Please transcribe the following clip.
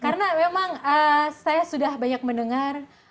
karena memang saya sudah banyak mendengar